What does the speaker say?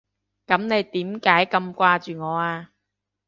噉你點解咁掛住我啊？